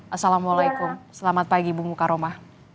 assalamualaikum selamat pagi bung mukaroma